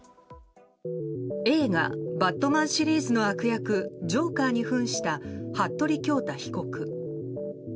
映画「バットマン」シリーズの悪役ジョーカーに扮した服部恭太被告。